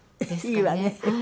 いいわね。